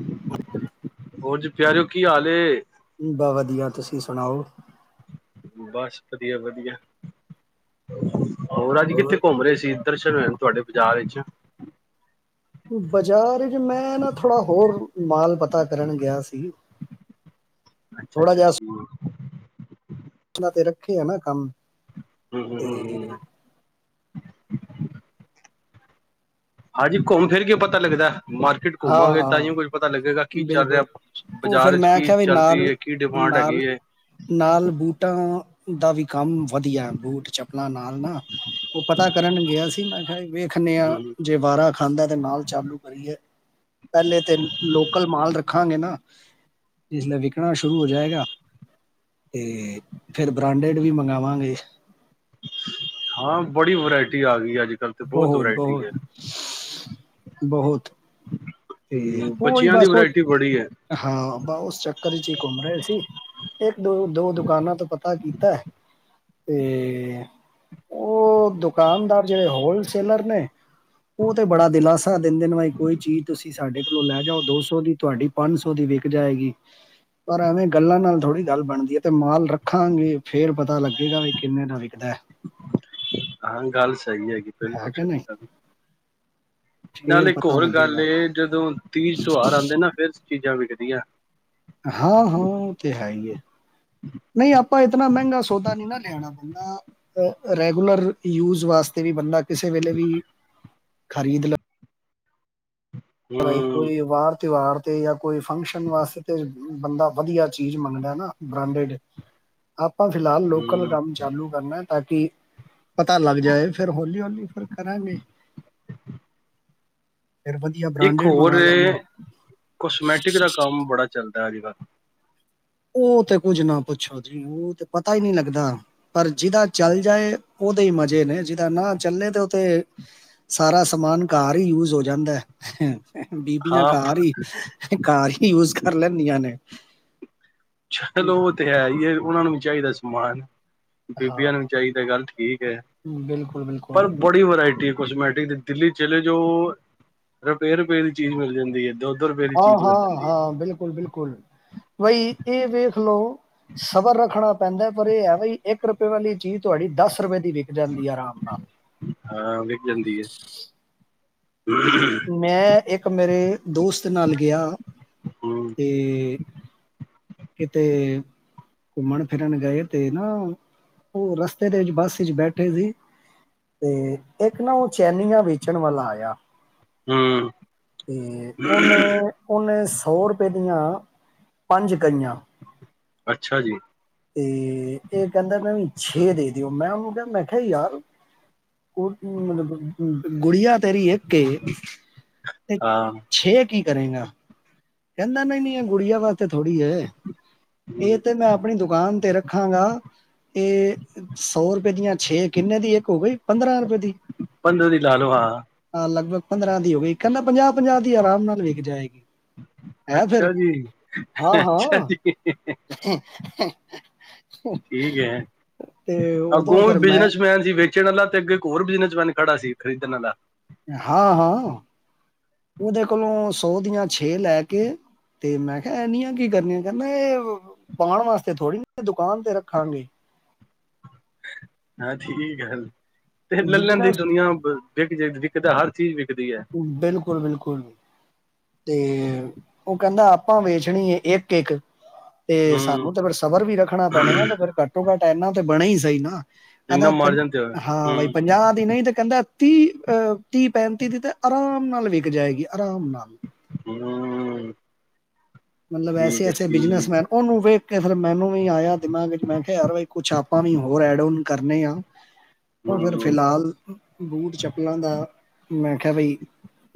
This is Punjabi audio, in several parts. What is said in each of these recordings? [inaudible] ਹੋਰ ਜੀ ਪਿਆਰਓ ਕੀ ਹਾਲ ਹੈ। ਬਹੁਤ ਵਧੀਆ ਤੁਸੀਂ ਸੁਣਾਓ। ਬਸ ਵਧੀਆ ਵਧੀਆ। ਹੋਰ ਅੱਜ ਕਿੱਥੇ ਘੁੰਮ ਰਹੇ ਸੀ। ਦਰਸ਼ਨ ਹੋਏ ਨੇ ਤੁਹਾਡੇ ਬਾਜ਼ਾਰ ਵਿੱਚ। ਬਾਜ਼ਾਰ ਵਿੱਚ ਮੈਂ ਨਾ ਥੋੜਾ ਹੋਰ ਮਾਲ ਪੱਤਾ। ਪਤਾ ਕਰਨ ਗਿਆ ਸੀ। ਅੱਛਾ ਅੱਛਾ ਠੀਕ। ਉਹਨਾਂ ਦੇ ਰੱਖੇ ਆ ਨਾ ਕੰਮ। ਹੂੰ ਹੂੰ ਹੂੰ ਤੇ ਹੂੰ। ਹਾਂਜੀ ਘੁੰਮ ਫਿਰ ਕੇ ਪਤਾ ਲੱਗਦਾ। ਮਾਰਕੀਟ ਹਾਂ ਘੁੰਮਾਂਗੇ ਹਾਂ ਤਾਂਹੀ ਕੁੱਝ ਪਤਾ ਲੱਗੇਗਾ ਕੀ ਚੱਲ ਰਿਹਾ ਬਿਲਕੁਲ ਉਹ ਬਾਜ਼ਾਰ ਫੇਰ ਵਿਚ ਮੈਂ ਕੀ ਕਿਹਾ ਵੀ ਚੱਲ ਨਾਲ ਰਹੀ ਹੈ ਕੀ ਡਿਮਾਂਡ ਨਾਲ ਹੈਗੀ ਹੈ। ਦਾਵੀ। ਕੰਮ ਵਧੀਆ ਬੂਟ ਚੱਪਲਾਂ ਨਾਲ ਨਾ ਉਹ ਪਤਾ ਕਰਨ ਗਿਆ ਸੀ ਮੈਂ ਕਿਹਾ ਵੇਖਦੇ ਆ ਜੇ ਵਾਰਾ ਖਾਂਦਾ ਤੇ ਨਾਲ ਚਾਲੂ ਕਰੀਏ। ਪਹਿਲੇ ਤੇ ਲੋਕਲ ਮਾਲ ਰੱਖਾਂਗੇ ਨਾ ਇਸ ਲਈ ਵਿਕਣਾ ਸ਼ੁਰੂ ਹੋ ਜਾਏਗਾ। ਤੇ ਫਿਰ ਬ੍ਰਾਂਡੇਡ। ਵੀ ਮੰਗਵਾਂਗੇ। ਹਾਂ ਬੜੀ ਵਰਾਇਟੀ ਆ ਗਈ ਆ। ਬਹੁਤ ਬਹੁਤ ਬਹੁਤ ਤੇ ਹੂੰ ਉਹੀ ਬੱਚਿਆਂ ਦੀ ਬਸ ਉਸ ਵਰਾਇਟੀ ਬੜੀ ਹੈ ਹਾਂ ਬਸ ਉਸ ਚੱਕਰ ਵਿੱਚ ਹੀ ਘੁੰਮ ਰਹੇ ਸੀ ਇੱਕ ਦੋ ਦੋ ਦੁਕਾਨਾਂ ਤੋਂ ਪਤਾ ਕੀਤਾ ਤੇ। ਉਹ ਦੁਕਾਨਦਾਰ ਜਿਹੜੇ ਹੋ। ਹੋਲਸੇਲਰ ਨੇ। ਉਹ ਤੇ ਬੜਾ ਦਿਲਾਸਾ ਦਿੰਦੇ ਨੇ ਬਾਈ ਕੋਈ ਚੀਜ਼ ਤੁਸੀਂ ਸਾਡੇ। ਕੋਲੋਂ ਲੈ ਜਾਓ ਦੋ ਸੌ ਦੀ ਤੁਹਾਡੀ ਪੰਜ ਸੌ ਦੀ ਵਿਕ ਜਾਏਗੀ ਪਰ ਐਵੇਂ ਗੱਲਾਂ ਨਾਲ ਥੋੜ੍ਹੀ ਗੱਲ ਬਣਦੀ ਹੈ ਤੇ ਮਾਲ ਰੱਖਾਂਗੇ ਫੇਰ ਪਤਾ ਲੱਗੇਗਾ ਵੀ ਕਿੰਨੇ ਦਾ ਵਿਕਦਾ ਹੈ। ਹਾਂ ਗੱਲ ਸਹੀ ਹੈ। ਬਿਲਕੁਲ ਕਿ ਨਹੀਂ? ਸਹੀ ਨਾਲ ਫੇਰ ਇੱਕ ਪਤਾ ਹੋਰ ਗੱਲ ਲੱਗੇਗਾ। ਜਦੋਂ ਤੀਜ ਤਿਉਹਾਰ ਆਉਂਦੇ ਨਾ ਫਿਰ। ਚੀਜ਼ਾਂ ਵਿਕ ਦੀਆਂ। ਹਾਂ ਹਾਂ ਉਹ ਤੇ ਹੈ ਹੀ ਹੈ ਨਹੀਂ ਆਪਾਂ ਇਤਨਾ ਮਹਿੰਗਾ ਸੌਦਾ ਨਹੀਂ ਨਾ ਲੈਣਾ ਹੁੰਦਾ ਰੈਗੂਲਰ ਯੂਜ ਵਾਸਤੇ ਵੀ ਬੰਦਾ। ਕਿਸੇ ਵੇਲੇ ਵੀ। ਖ਼ਰੀਦ ਲਵੇ। ਬਣਾਈ ਹੂੰ ਹੋਈ ਵਾਰ ਤਿਉਹਾਰ। ਤੇ ਆਪ। ਕੋਈ ਫੰਕਸ਼ਨ ਵਾਸਤੇ ਤੇ। ਬੰਦਾ ਵਧੀਆ ਚੀਜ਼ ਮੰਗਦਾ ਨਾ ਬ੍ਰਾਂਡਡ ਆਪਾਂ ਫਿਲਹਾਲ ਲੋਕਲ ਹੂੰ ਕੰਮ ਚਾਲੂ ਕਰਨਾ ਅਤੇ ਪਤਾ ਲੱਗ ਜਾਏ ਫਿਰ ਹੌਲੀ ਹੌਲੀ ਫਿਰ ਕਰਾਂਗੇ ਫਿਰ ਬਲ ਇੱਕ ਹੋਰ ਕਸਮੈਟਿਕ ਦਾ ਕੰਮ ਬੜਾ ਚੱਲਦਾ ਹੀ ਵਾਰ ਉਹ ਤੇ ਕੁੱਝ ਨਾ ਪੁੱਛੋ ਜੀ ਉਹ ਤੇ ਪਤਾ ਹੀ ਨਹੀਂੀ ਲੱਗਦਾ ਪਰ ਜਿਹਦਾ ਚੱਲ ਜਾਏ ਉਹਦੇ ਹੀ ਮਜ਼ੇ ਨੇ ਜਿਦਾਾਂ ਨਾ ਚੱਲੇ ਤੇ ਉਹ ਤੇ ਸਾਰਾ ਸਮਾਨ ਘਰ ਹੀ ਯੂਜ ਹੋ ਜਾਂਦਾ ਬੀਬੀਆਂ ਹਾਂ ਘਰ ਹੀ ਯੂਜ ਕਰ ਲੈਂਦੀਆਂ ਨੇ ਚਲੋ ਉਹ ਤੇ ਹੈ ਹੀ ਉਹਨਾ ਨੂੰ ਵੀ ਚਾਹੀਦਾ ਸੀ ਮਨ ਬੀਬੀਆਂ ਨੂੰ ਹਾਂ ਚਾਈ ਤਾਂ ਗੱਲ ਠੀਕ ਹੈ ਬਿਲਕੁਲ ਪਰ ਬਿਲਕੁਲ ਬੜੀ ਵਰਾਇਟੀ ਕੋਸਮੈਟਿਕ ਦੀ ਦਿੱਲੀ ਚੱਲ ਰੁਪੇਏ ਰੁਪਏ ਦੀ ਚੀਜ਼ ਮਿਲ ਜਾਂਦੀ ਹੈ ਦੁੱਧ ਹਾਂ ਹਾਂ ਹਾਂ ਬਿਲਕੁਲ ਬਿਲਕੁਲ ਬਈ ਇਹ ਵੇਖ ਲਓ ਸਬਰ ਰੱਖਣਾ ਪੈਂਦਾ ਪਰ ਇਹ ਹੈ ਬ ਇੱਕ ਰੁਪਏ ਵਾਲੀ ਚੀਜ਼ ਤੁਹਾਡੀ ਦਸ ਰੁਪਏ ਵਿਕ ਜਾਂਦੀ ਆ ਆਰਾਮ ਨਾਲ ਹਾਂ ਵਿਕ ਜਾਂਦੀ ਹੈ ਮੈਂ ਇੱਕ ਮੇਰੇ ਦੋਸਤ ਨਾਲ ਗਿਆ ਹੂੰ ਤੇ ਕਿਤੇ ਘੁੰਮਣ ਫਿਰਨ ਗਏ ਤੇ ਨਾ ਉਹ ਰਸਤੇ ਦੇ ਵਿੱਚ ਬੱਸ ਵਿੱਚ ਬੈਠੇ ਸੀ ਤੇ ਇੱਕ ਨਾ ਉਹ ਚੈਨੀਆਂ ਵੇਚਣ ਵਾਲਾ ਆਇਆ ਹੂੰ ਤੇ ਉਹਨੇ ਉਹਨੇ ਸੌ ਰੁਪਏ ਦੀਆਂ ਪੰਜ ਕਈਆਂ ਅੱਛਾ ਜੀ ਤੇ ਇਹ ਕਹਿੰਦਾ ਮੈਂ ਵੀ ਛੇ ਦੇ ਦਿਓ ਮੈਂ ਉਹਨੂੰ ਮੈਂ ਕਿਹਾ ਯਾਰ ਉਹ ਮਤਲਬ ਗੁੜੀਆਂ ਤੇਰੀ ਇੱਕ ਤੇ ਹਾਂ ਛੇ ਕੀ ਚਲੇਗਾ ਕਹਿੰਦਾ ਨਹੀਂ ਨੀ ਇਹ ਗੁਡੀਆਂ ਵਾਸਤੇ ਤੇ ਥੋੜੀ ਹੈ ਇਹ ਹੂੰ ਤੇ ਮੈਂ ਆਪਣੀ ਦੁਕਾਨ ਤੇ ਰੱਖਾਂਗਾ ਇਹ ਸੌ ਰੁਪਏ ਦੀਆਂ ਛੇ ਕਿੰਨੇ ਦੀ ਇੱਕ ਹੋ ਗਈ ਪੰਦਰਾਂ ਰੁਪਏ ਦੀ ਪੰਦਰਾਂ ਦੀ ਲਾ ਲਓ ਹਾਂ ਆ ਲਗਭਗ ਪੰਦਰਾਂ ਦੀ ਹੋ ਗਈ ਕਹਿੰਦਾ ਪੰਜਾਹ ਪੰਜਾਹ ਦੀ ਆਰਾਮ ਨਾਲ ਵਿਕ ਜਾਏਗੀ ਹੈ ਫਿਰ ਅੱਛਾ ਜੀ ਅੱਛਾ ਹਾਂ-ਹਾਂ ਜੀ ਠੀਕ ਹੈ ਤੇ ਉਦੋਂ ਅੱਗੋਂ ਵੀ ਫਿਰ ਮੈਂ ਬਿਜਨਸਮੈਨ ਸੀ ਵੀ ਪਿੱਛੇ ਵਾਲਾ ਤੇ ਅੱਗੇ ਹੋਰ ਬਿਜਨਸਮੈਨ ਖੜਾ ਸੀ ਖਰੀਦਣ ਵਾਲਾ ਹਾਂ ਹਾਂ ਉਹਦੇ ਕੋਲੋਂ ਸੌ ਦੀਆਂ ਛੇ ਲੈ ਕੇ ਤੇ ਮੈਂ ਕਿਹਾ ਇਨੀਆਂ ਕੀ ਕਰਨੀਆਂ ਕਹਿੰਦਾ ਇਹ ਪਾਉਣ ਵਾਸਤੇ ਥੋੜ੍ਹੀ ਦੁਕਾਨ ਤੇ ਰੱਖਾਂਗੇ ਹਾਂ ਠੀਕ ਗੱਲ ਤੇ ਲੈ ਲੈਂਦੇ ਬਿਜਨਸ ਦੁਨੀਆਂ ਵਿਕ ਜੇ ਵਿਕਦਾ ਹਰ ਜੀ, ਜ ਬਿਲਕੁਲ, ਬਿਲਕੁਲ ਤੇ ਉਹ ਕਹਿੰਦਾ ਆਪਾਂ ਵੇਚਣੀ ਹੈ ਏ ਇੱਕ-ਇੱਕ- ਤੇ ਹਮ ਸਾਨੂੰ ਤੇ ਫਿਰ ਸਬਰ ਵੀ ਰੱਖਣਾ ਪੈਣਾ ਨਾ ਫਿਰ ਘੱਟੋ ਘੱਟ ਇਹਨਾਂ ਤੇ ਬਣੇ ਹੀ ਸਹੀ ਨਾ ਇੰਨਾ ਹਾਂ ਮਾਰਜਨ ਤੇ ਹੋਇਆ ਬਾਈ ਹਮ ਪੰਜਾਹ ਦੀ ਨਹੀਂ ਤਾਂ ਕਹਿੰਦਾ ਤੀਹ ਅ ਤੀਂਹ ਪੈਂਤੀ ਦੀ ਤਾਂ ਆਰਾਮ ਨਾਲ ਵਿੱਕ ਜਾਏਗੀ ਆਰਾਮ ਨਾਲ ਹਮ ਮਤਲਬ ਐਸੇ ਠੀਕ ਹੈ ਐਸੇ ਠੀਕ ਬਿਜਨਸ਼ਮੈਨ ਉਹਨੂੰ ਵੇਖ ਕੇ ਫਿਰ ਮੈਨੂੰ ਵੀ ਆਇਆ ਦਿਮਾਗ ਵਿਚ, ਮੈਂ ਕਿਹਾ ਯਾਰ ਕੁੱਛ ਆਪਾਂ ਵੀ ਹੋਰ ਐਡ ਓਨ ਕਰਨੇ ਆ [unintelligible] ਉਹ ਫਿਰ ਹਮ ਫਿਲਹਾਲ ਬੂਟ ਚੱਪਲਾਂ ਦਾ ਮੈਂ [unintelligible] ਬਈ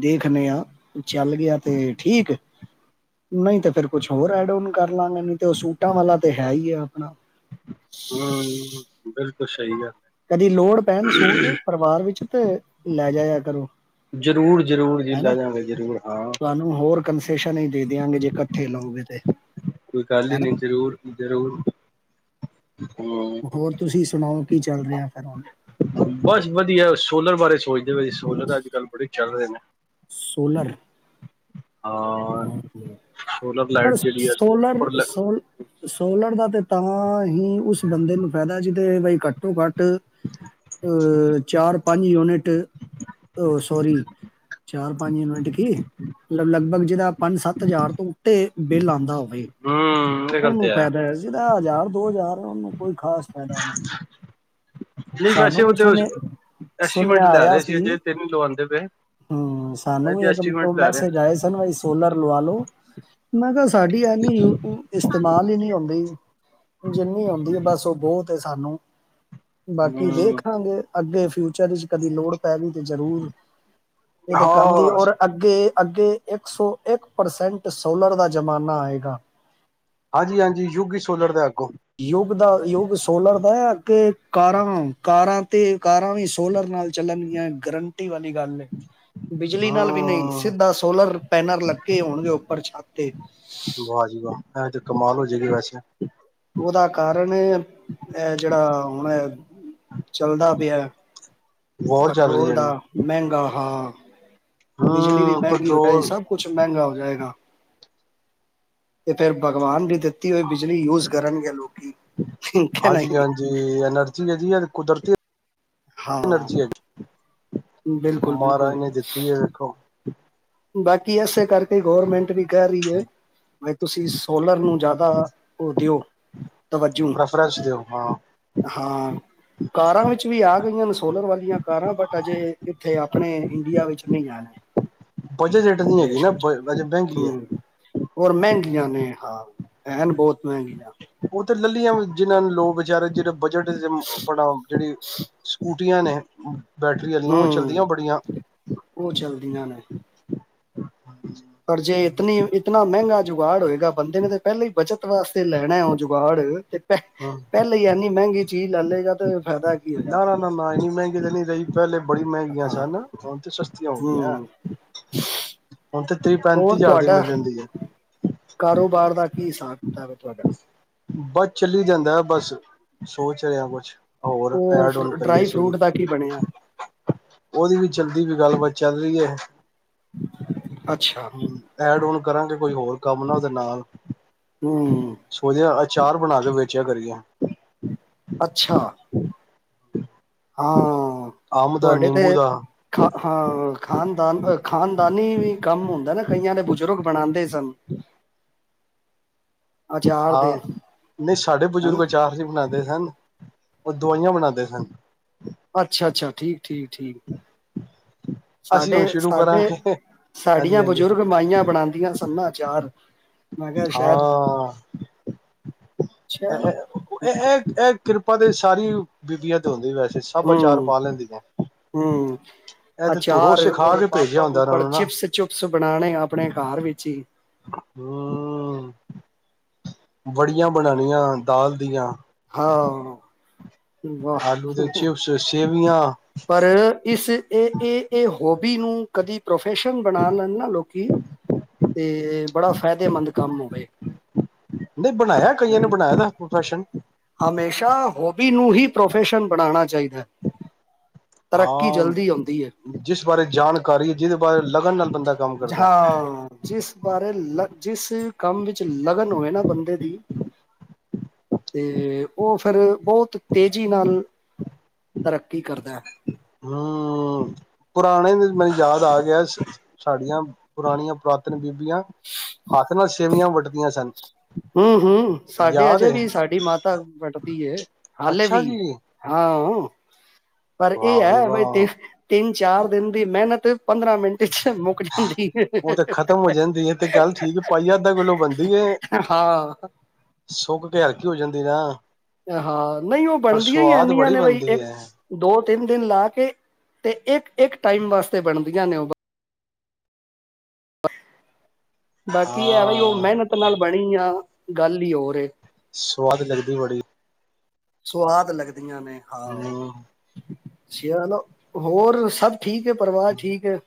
ਦੇਖਨੇ ਆਂ ਚੱਲ ਗਿਆ ਤੇ ਠੀਕ ਨਹੀਂ ਤੇ ਫਿਰ ਕੁਛ ਹੋਰ ਐਡ ਓਨ ਕਰ ਲਾਂਗੇ ਨਹੀਂ ਤੇ ਉਹ ਸੂਟਾਂ ਵਾਲਾ ਤੇ ਹੈ ਹੀ ਆ ਆਪਣਾ ਹੁੰ ਬਿਲਕੁਲ ਸਹੀ ਗੱਲ ਕਦੀ ਲੋੜ ਪੈਣ ਸੂਟ ਪਰਿਵਾਰ ਵਿੱਚ ਤੇ ਲੈ ਜਾਇਆ ਕਰੋ। ਹੈ। ਜ਼ਰੂਰ ਜ਼ਰੂਰ ਜੀ ਹੈਨਾ ਲੈ ਜਾਗੇ ਜ਼ਰੂਰ ਹਾਂ ਤੁਹਾਨੂੰ ਹੋਰ ਨਹੀਂ ਦੇ ਦਿਆਂਗੇ ਜੇ ਇਕੱਠੇ ਲੋ ਗਏ ਤੇ ਕੋਈ ਗੱਲ ਹੀ ਹੈਨਾ ਨਹੀਂ ਜ਼ਰੂਰ ਜ਼ਰੂਰ ਹੋਰ ਤੁਸੀਂ ਸੁਣਾਓ ਕੀ ਚੱਲ ਰਿਹਾ ਫਿਰ ਹੁਣ ਬਸ ਵਧੀਆ। ਸੋਲਰ ਬਾਰੇ ਜਿਹੋ ਜੇ ਸੋਲਰ ਅੱਜ ਕੱਲ੍ਹ ਬੜੇ ਚੱਲ ਰਹੇ ਨੇ ਸੋਲਰ ਹਾਂ ਸੋਲਰ ਲਾਈਟ ਪਰ ਜਿਹੜੀ ਹੈ ਸੋਲਰ ਉੱਪਰ ਸੋਲ ਸੋਲਰ ਦਾ ਤਾਂ ਹੀ ਉਸ ਬੰਦੇ ਨੂੰ ਫਾਇਦਾ ਜਿਹਦੇ ਬਾਈ ਘੱਟੋ ਘੱਟ ਅਹ ਚਾਰ ਪੰਜ ਯੂਨਿਟ ਅਹ ਸੋਰੀ ਚਾਰ ਪੰਜ ਯੂਨਿਟ ਕੀ ਲਗਭਗ ਜਿਹੜਾ ਪੰਜ ਸੱਤ ਹਜ਼ਾਰ ਤੋਂ ਉੱਤੇ ਬਿੱਲ ਆਉਂਦਾ ਹੋਵੈ ਹਮ ਇਹ ਗੱਲ ਉਹਨੂੰ ਤੇ ਹੈ ਫਾਇਦਾ ਜਿਦਾ ਹਜ਼ਾਰ ਦੋ ਹਜ਼ਾਰ ਉਹਨੂੰ ਕੋਈ ਖਾਸ ਫਾਇਦਾ ਨਹੀਂ ਨਹੀਂ ਵੈਸੇ ਸਾਨੂੰ ਉਹ ਵੀ ਤੇ ਸੁਣਿਆ ਐਸਟੀਮੇਟ ਸੁਨੇਹਾ ਲੈ ਆਇਆ ਰਹੇ ਅਜੇ ਸੀ ਤੇ ਨੀ ਲਵਾਉਂਦੇ ਪਏ ਹੁੰ ਅਜੇ ਸਾਨੂੰ ਤੇ ਵੀ ਇੱਕਲ ਐਸਟੀਮੇਟ ਲੈ ਰਹੇ ਮੈਸੇਜ ਆਏ ਸਨ [unintelligible] ਲਵਾ ਲੋ ਮੈਂ ਕਿਹਾ ਸਾਡੀ ਆਨੀ ਉ ਇਸ ਇਸਤੇਮਾਲ ਹੀ ਨੀ ਹੁੰਦੀ ਜਿੰਨੀ ਹੁੰਦੀ ਐ ਬਸ ਉਹ ਬਹੁਤ ਸਾਨੂੰ ਬਾਕੀ ਹੂੰ, ਦੇਖਾਂਗੇ ਅੱਗੇ ਫਿਰ ਫਿਊਚਰ ਚ ਕਦੀ ਲੋੜ ਪੈ ਗਈ ਤੇ ਜ਼ਰੂਰ ਇਹ ਤੇ ਕੰਮ ਦੀ ਔਰ ਅੱਗੇ ਅੱਗੇ ਇੱਕ ਸੌ ਇੱਕ ਪਰਸੈਂਟ ਸੋਲਰ ਦਾ ਜ਼ਮਾਨਾ ਆਏਗਾ ਹਾਂਜੀ ਹਾਂਜੀ ਯੁਗ ਹੀ ਸੋਲਰ ਦਾ ਅੱਗੋ ਯੁੱਗ ਦਾ ਯੁੱਗ ਸੋਲਰ ਦਾ ਐ ਅੱਗੇ ਕਾਰਾਂ-ਕਾਰਾਂ ਤੇ ਕਾਰਾਂ ਵੀ ਸੋਲਰ ਨਾਲ ਚੱਲਣਗੀਆਂ ਗਰੰਟੀ ਵੱਲ ਵਾਲੀ ਗੱਲ ਏ ਬਿਜਲੀ ਨਾਲ ਵੀ ਨਹੀਂ ਸਿੱਧਾ ਸੋਲਰ ਪੈਨਲ ਲੱਗੇ ਹੋਣਗੇ ਉੱਪਰ ਛੱਤ ਤੇ ਵਾਹ ਜੀ ਬਸ ਉਹਦਾ ਕਾਰਨ ਇਹ ਜਿਹੜਾ ਹੁਣ ਚੱਲਦਾ ਪਿਆ ਵੋਰ ਚੱਲ ਰਹੀ ਪੈਟਰੋਲ ਜੇੜੀ ਦਾ ਹੂੰ, ਮਹਿੰਗਾ ਹਾਂ ਬਿਜਲੀ ਵੀ ਮਹਿੰਗੀ ਹੋ ਜਾ ਪੈਟਰੋਲ ਸਭ ਕੁਛ ਮਹਿੰਗਾ ਹੋ ਤੇ ਫੇਰ ਭਗਵਾਨ ਵੀ ਦਿੱ ਤੀ ਹੋਈ ਬਿਜਲੀ ਯੂਜ ਕਰਨਗੇ ਲੋਕੀ ਕਿ ਨਹੀਂ ਹਾਂਜੀ-ਹਾਂਜੀ ਐਨਰਜੀ ਹੈ ਜੀ ਕੁਦਰਤੀ ਹਾਂ ਏਨਰਜੀ ਬਿਲਕੁਲ ਮਾਹਰਾਜ ਬਿਲਕੁਲ ਨੇ ਦਿੱਤੀ ਐ ਦੇਖੋ [inaudible] ਬਾਕੀ ਇਸੇ ਕਰਕੇ ਗੌਰਮੈਂਟ ਵੀ ਕਹਿ ਰਹੀ ਏ ਤੁਸੀਂ ਸੋਲਰ ਨੂੰ ਜ਼ਿਆਦਾ ਉਹ ਦਿਓ ਤਵੱਜੂ ਪ੍ਰੈਫਰੈਂਸ ਦਿਓ ਹਾਂ ਹਾਂ ਕਾਰਾਂ ਵਿੱਚ ਵੀ ਆ ਗਈਆਂ ਨੇ ਸ ਸੋਲਰ ਵਾਲੀਆਂ ਕਾਰਾਂ ਬਟ ਅਜੇ ਇੱਥੇ ਆਪਣੇ ਇੰਡੀਆ ਵਿੱਚ ਨਹੀਂ ਆਣੇ ਬਜਟ ਇਚ ਨਹੀਂ ਹੈਗੀ ਵਿਦੇਸ਼ ਨਾ ਬਜਟ ਮਹਿੰਗੀ ਐ ਹੋਰ ਮਹਿੰਗੀਆਂ ਨੇ ਹਾਂ ਐਨ ਬਹੁ ਮਹਿੰਗੀਆਂ ਉਹ ਤੇ ਲੱਲੀਆਂ ਜਿਹਨ੍ਹਾਂ ਨੂੰ ਲੋ ਵਿਚਾਰੇ ਜੇਹੜੇ ਬਜਟ [unintelligible] ਆਪਣਾ ਜੇੜ੍ਹੇਸਕੁ [unintelligible] ਨੇ ਬੈਟਰੀ ਆਲੀਆਂ ਉਹ ਹਮ ਚੱਲਦੀਆਂ ਬੜੀਆਂ ਉਹ ਚੱਲਦੀਆਂ ਨੇ ਪਰ ਜੇ ਇਤਨੀ ਇਤਨਾ ਮਹਿੰਗਾ ਜੁਗਾੜ ਹੋਏਗਾ ਬੰਦੇ ਨੇ ਪਹਿਲੇ ਹੀ ਬਚਤ ਵਾਸਤੇ ਤੇ ਲੈਣਾ ਜੁਗਾੜ ਤੇ ਹਾਂ ਪਹਿਲੇ ਇਨੀ ਮਹਿੰਗੀ ਚੀਜ਼ ਲਲੇਗਾ ਤੇ ਫਾਇਦਾ ਕੀ [unintelligible] ਹੋਇਆ ਇਨੀ ਮਹਿੰਗੀ ਤਾਂ ਨਹੀਂ ਲਈ ਪਹਿਲੇ ਬੜੀ ਮਹਿੰਗੀਆਂ ਹਾਂ ਸਨ ਹੁਣ ਤੇ ਸਸਤੀਆਂ ਹੋ ਗਈਆਂ ਹੂੰ ਹੁਣ ਤੇ ਤ੍ਰੀਹ ਪੈਂਤੀ ਹੋਰ ਹਜ਼ਾਰ ਦੀ ਤੁਹਾਡਾ ਮਿਲ ਜਾਂਦੀ ਹੈ ਕਾਰੋਬਾਰ ਦਾ [unintelligible] ਤੁਹਾਡਾ ਬਸ ਚੱਲੀ ਜਾਂਦਾ ਬਸ ਸੋਚ ਰਿਹਾ ਕੁਛ ਹੋਰ ਉਹ ਐਡ ਫ ਔਨ ਨੂੰ ਕਰੀਏ ਡਰਾਈ ਸ਼ੁਰੂ ਫਰੂਟ ਦਾ ਕੀ ਬਣਿਆ ਉਹਦੀ ਵੀ ਚਲਦੀ ਪਈ ਗੱਲਬਾਤ ਚੱਲ ਰਹੀ ਐ ਅੱਛਾ ਐਡ ਔਨ ਕਰਾਂਗੇ ਕੋਈ ਹੋਰ ਕੰਮ ਉਹਦੇ ਨਾਲ ਹਮ ਆਚਾਰ ਬਣਾ ਕੇ ਵੇਚਿਆ ਕਰੀਏ ਅੱਛਾ ਹਾਂ ਅੰਬ ਦਾ ਤੁਹਾਡੇ ਨਿੰਬੂ ਤੇ ਦਾ ਖਾ ਹਾਂ ਖਾਨਦਾਨ ਖਾਨਦਾਨੀ ਵੀ ਕੰਮ ਹੁੰਦਾ ਨਾ ਕਈਆਂ ਦੇ ਬਜ਼ੁਰਗ ਬਣਾਦੇ ਸਨ ਅਚਾਰ ਦੇ ਹਾਂ ਨਹੀਂ ਸਾਡੇ ਹਨਾ ਬਜ਼ੁਰਗ ਅਚਾਰ ਨਹੀਂ ਬਣਾਉਂਦੇ ਸਨ ਉਹ ਦਵਾਈਆਂ ਬਣਾਉਂਦੇ ਸਨ ਅੱਛਾ ਅੱਛਾ ਠੀਕ ਠੀਕ ਠੀਕ ਅਸੀਂ ਹੁਣ ਸਾਡੇ ਸ਼ੁਰੂ ਸਾਡੇ ਕਰਾਂਗੇ ਹਾਂਜੀ ਸਾਡੀਆਂ ਹਾਂਜੀ ਬਜ਼ੁਰਗ ਮਾਈਆਂ ਬਣਾਉਂਦੀਆਂ ਸਨ ਨ ਅਚਾਰ ਮੈਂ ਕਿਹਾ ਸ਼ਾਇਦ ਹਾਂ ਚਲੋ ੲਹ ਇਹ ਏ ਕਿਰਪਾ [unintelligible] ਤੇ ਸਾਰੀ ਬੀਬੀਆ ਚ ਹੁੰਦੀ ਵੈਸੇ ਸਭ ਹਮ ਅਚਾਰ ਪਾ ਲੈਂਦੀਆਂ। ਹਮ ਇਹ ਤੇ ਧੁਰੋਂ ਸਿਖਾ ਕੇ ਭੇਜਿਆ ਹੁੰਦਾ ਇਹਨਾਂ ਨੂੰ ਨਾ ਹੂੰ ਵੜੀਆਂ ਬਣਾਣੀਆਂ ਦਾਲ ਦੀਆਂ ਹਾਂ ਵਾਹ ਆਲੂ ਦੇ ਚਿਪਸ ਸੇਵੀਆਂ ਪਰ ਇਸ ਇਹ ਇਹ ਇਹ ਗੋਭੀ ਨੂੰ ਕਦੀ ਵੀ ਪ੍ਰੋਫੈਸ਼ਨ ਬਣਾ ਲੈਣ ਨਾ, ਲੋਕੀ ਤੇ ਬੜਾ ਫਾਇਦੇਮੰਦ ਕੰਮ ਹੋਵੇ। ਨਹੀਂ ਬਣਾਇਆ ਕਈਆਂ ਨੇ ਬਣਾਇਆ ਪ੍ਰੋਫੈਸ਼ਨ। ਹਮੇਸ਼ਾ ਹੋਬੀ ਨੂੰ ਹੀ ਪ੍ਰੋਫੈਸ਼ਨ ਬਣਾਉਣਾ ਚਾਹੀਦਾ ਹੈ। ਤਰੱਕੀ ਹਾਂ ਜਲਦੀ ਆਉਂਦੀ ਹੈ। ਜਿਸ ਬਾਰੇ ਜਾਣਕਾਰੀ ਜਿਹਦੇ ਬਾਰੇ ਲਗਨ ਨਾਲ ਬੰਦਾ ਕੰਮ ਕਰਦਾ ਹਾਂ ਜਿਸ ਬਾਰੇ ਲ। ਜਿਸ ਕੰਮ ਵਿੱਚ ਲਗਨ ਹੋਵੇ ਨਾ, ਬੰਦੇ ਦੀ ਤੇ ਉਹ ਫਿਰ ਬਹੁਤ ਤੇਜ਼ੀ ਨਾਲ। [unintelligible] ਤਰੱਕੀ ਕਰਦਾ ਹੈ। ਹਮ ਪੁਰਾਣੇ ਮੈਨੂੰ ਯਾਦ ਆ ਗਿਆ। ਸਾਡੀਆਂ ਪੁਰਾਣੀਆਂ ਪੁਰਾਤਨ ਬੀਬ। ਹੱਥ ਨਾਲ। ਸੇਵੀਆਂ ਵੱਟਦੀਆਂ ਸਨ। ਹਮ- ਹਮ ਸਾਡੇ ਯਾਦ ਅਜੇ ਏ ਵੀ ਸਾਡੀ ਮਾਤਾ ਵੱਟਦੀ ਹੈ। ਹਾਲੇ ਅੱਛਾ ਵੀ ਜੀ ਹਾਂ। [inaudible] ਪਰ ਇਹ ਵਾਹ ਬਈ ਹੈ। ਬਾਈ ਵਾਹ ਤਿੰਨ ਚਾਰ ਦਿਨ ਦੀ ਮਿਹਨਤ ਪੰਦਰਾਂ ਮਿੰਟ। ਚ ਮੁੱਕ ਜਾਂਦੀ ਏ। ਉਹ ਤੇ ਖਤਮ ਹੋ ਜਾਂਦੀ ਹੈ। ਤੇ ਚੱਲ ਠੀਕ ਪਾਈ ਅੱਧਾ ਕਿੱਲੋ ਬਣਦੀ। ਹਾਂ। ਸੁੱਕ ਕੇ ਹਲਕੀ ਹੋ ਜਾਂਦੀ ਨਾ। ਹਾਂ ਨਹੀਂ ਉਹ ਪਰ ਬਣਦੀਆਂ ਹੀ ਸਵਾਦ ਇਨੀਆਂ ਬੜੀ ਨੇ। ਬਈ ਬਣਦੀ ਇੱਕ ਹੈ ਦੋ ਤਿੰਨ ਦਿਨ ਲਾ ਕੇ ਤੇ ਇੱਕ -ਇੱਕ ਟਾਈਮ ਵਾਸਤੇ ਬਣਦੀਆਂ ਨੇ ਉਹ। [unintelligible] ਬਾਕੀ ਹੈ ਬਾਈ ਉਹ ਹਾਂ ਮਿਹਨਤ ਨਾਲ ਬਣੀ ਆ। ਗੱਲ ਹੀ ਹੋਰ। ਸਵਾਦ ਲੱਗਦੀ ਬੜੀ। ਸੁਆਦ ਲੱਗਦਾ। ਵਆਂ ਨੇ ਹਾਂ। ਹਮ [unintelligible] ਅੱਛੀਲਬ ਹੋਰ ਸਭ। [unintelligible] ਠੀਕ ਹੈ ਪਰਿਵਾਰ ਠੀਕ ਹੈ।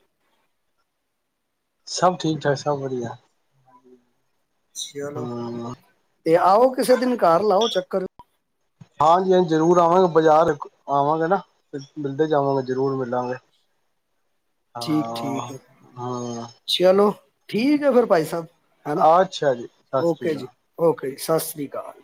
ਸਭ ਠੀਕ ਠਾਕ ਸਭ ਵਧੀਆ। ਚਲੋ ਹਮ ਤੇ ਆਓ ਕਿਸੇ ਦਿਨ ਘਰ ਲਾਓ ਚੱਕਰ। ਹਾਂਜੀ -ਹਾਂਜੀ ਜ਼ਰੂਰ ਆਵਾਂਗੇ, ਬਾਜ਼ਾਰ ਆਵਾਂਗੇ ਨਾ ਮਿਲਦੇ ਜਾਵਾਂਗੇ ਜ਼ਰੂਰ ਮਿਲਾਂਗੇ। ਠੀਕ ਠੀਕ ਹਾਂ ਹੈ ਹਾਂ ਚਲੋ ਠੀਕ ਫੇਰ ਭਾਈ ਸਾਹਿਬ। ਹੈਨਾ ਅੱਛਾ ਜੀ ਓਕੇ ਸਤਿਸ੍ਰੀਅਕਾਲ। ਜੀ ਸਤਿ ਸ੍ਰੀ ਅਕਾਲ।